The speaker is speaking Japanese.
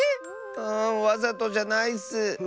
うんわざとじゃないッス！